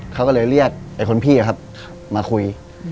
เขาก็เลยเรียกไอ้คนพี่ครับมาคุย